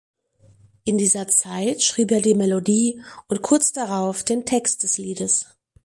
In dieser Zeit schrieb er die Melodie und kurz darauf den Text des Liedes.